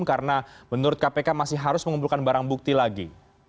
karena menurut kpk masih harus mengumpulkan barang bukti lagi